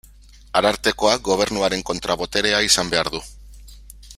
Arartekoak Gobernuaren kontra-boterea izan behar du.